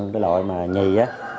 cái loại mà nhì á